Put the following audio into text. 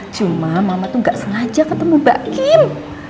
cuma mama tuh nggak sengaja ketemu mbak kim